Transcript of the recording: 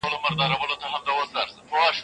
پکوړې او سموسې معده خرابوي.